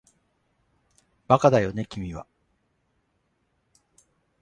バカだよね君は